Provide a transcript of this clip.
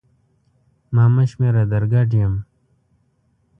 ما مه شمېره در ګډ یم!